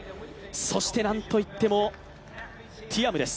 そしてなんといっても、ティアムです。